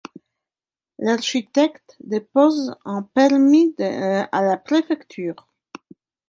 l'architecte dépose un permis à la préfecture